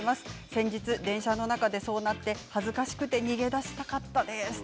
先日、電車の中でそうなって恥ずかしくて逃げ出したかったです。